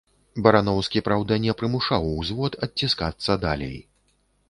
Бараноўскі, праўда, не прымушаў ўзвод адціскацца далей.